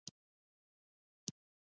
مصنوعي ځیرکتیا د اداري اصلاحاتو مرسته کوي.